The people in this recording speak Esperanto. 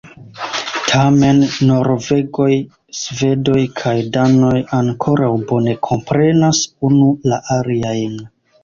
Tamen, norvegoj, svedoj kaj danoj ankoraŭ bone komprenas unu la aliajn.